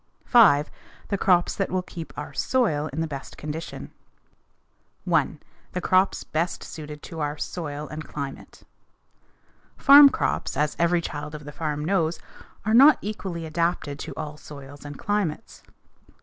5. The crops that will keep our soil in the best condition. 1. The crops best suited to our soil and climate. Farm crops, as every child of the farm knows, are not equally adapted to all soils and climates.